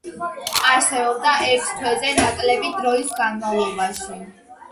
არსებობდა ერთ თვეზე ნაკლები დროის განმავლობაში.